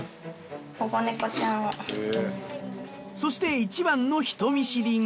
そしていちばんの人見知りが。